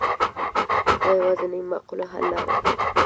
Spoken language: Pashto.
دا یوازینۍ معقوله حل لاره ده.